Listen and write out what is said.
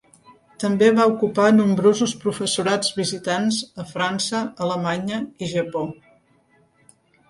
També va ocupar nombrosos professorats visitants a França, Alemanya i Japó.